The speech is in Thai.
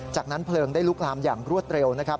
จากนั้นเพลิงได้ลุกลามอย่างรวดเร็วนะครับ